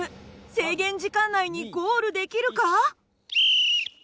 制限時間内にゴールできるか？